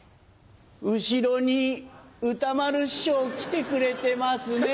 後ろに歌丸師匠来てくれてますね。